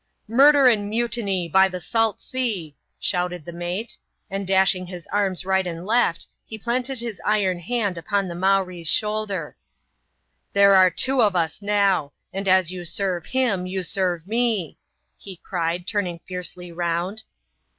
" Murder and mutiny, by the salt sea !" shouted the mate ; and dashing his arms right and left, he planted his iron hand upon the Mowree's shoulder. " There are two of us now ; and as you serve him, you serve me," he cried, turning fiercely round.